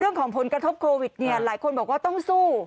เรื่องของผลกระทบโควิดเนี่ยหลายคนบอกว่าต้องสู้